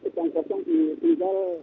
ketujuan itu rumah